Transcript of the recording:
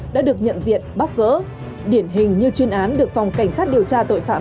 đã được nhận diện bóc gỡ điển hình như chuyên án được phòng cảnh sát điều tra tội phạm